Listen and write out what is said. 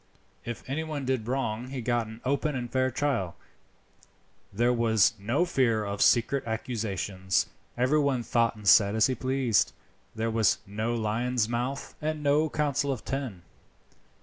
If anyone did wrong he got an open and fair trial. There was no fear of secret accusations. Everyone thought and said as he pleased. There was no Lion's Mouth, and no Council of Ten."